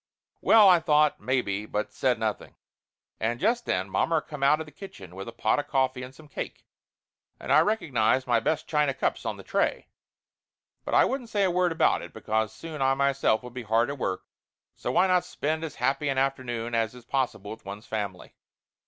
Well, I thought maybe, but said nothing, and just then mommer come out from the kitchen with a pot 286 Laughter Limited of coffee and some cake, and I recognized my best china cups on the tray. But I wouldn't say a word about that, because soon I myself would be hard at work, so why not spend as happy an afternoon as is possible with one's family?